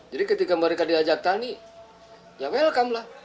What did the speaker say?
jadi ketika mereka diajak tani ya welcome lah